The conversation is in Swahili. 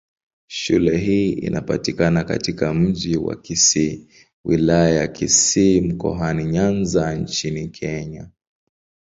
Shule hii inapatikana katika Mji wa Kisii, Wilaya ya Kisii, Mkoani Nyanza nchini Kenya.